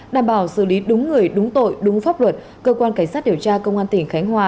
đảm bảo xử lý đúng người đúng tội đúng pháp luật cơ quan cảnh sát điều tra công an tỉnh khánh hòa